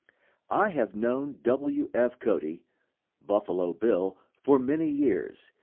I have known W. F. Cody ("Buffalo Bill") for many years.